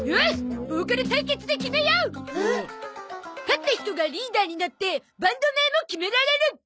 勝った人がリーダーになってバンド名も決められる！